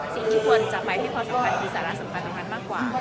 สิ่งที่ควรจะไปให้ความสำคัญที่สาระสำคัญตรงนั้นมากกว่า